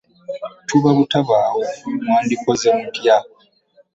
Tuba butabaawo mwandikoze mutya?